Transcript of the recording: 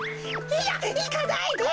「いや！いかないで」。